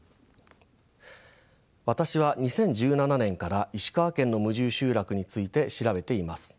私は２０１７年から石川県の無住集落について調べています。